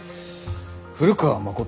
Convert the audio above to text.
古川誠。